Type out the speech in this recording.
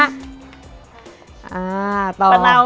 อ่าต่อ